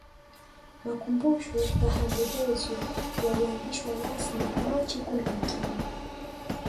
Makubusho ya Handebezyo yalianzishwa rasmi Machi kumi na tano